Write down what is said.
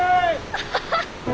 アハハッ！